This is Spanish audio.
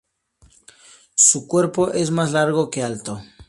Su cuerpo es más largo que alto.